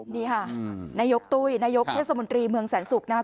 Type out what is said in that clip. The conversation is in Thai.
นี่ค่ะนายกตุ้ยนายกเทศมนตรีเมืองแสนศุกร์นะครับ